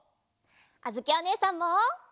あづきおねえさんも！